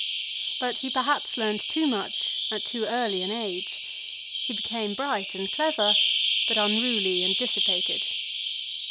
But he perhaps learned too much at too early an age. He became bright and clever ; but unruly and dissipated.